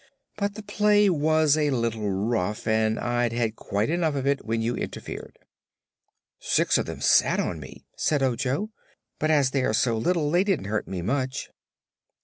But the play was a little rough and I'd had quite enough of it when you interfered." "Six of them sat on me," said Ojo, "but as they are so little they didn't hurt me much."